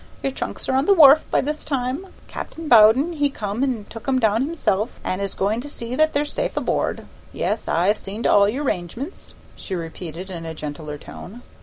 "Your trunks are on the w'arf by this time. Cap'n Bowden he come and took 'em down himself, an' is going to see that they're safe aboard. Yes, I've seen to all your 'rangements," she repeated in a gentler tone.